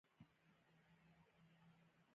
څوک چې مینه لري، تل عزت لري.